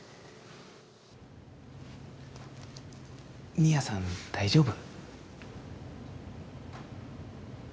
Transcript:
新谷さん、大丈夫？